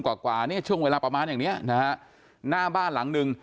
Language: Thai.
กว่ากว่าเนี่ยช่วงเวลาประมาณอย่างเนี้ยนะฮะหน้าบ้านหลังหนึ่ง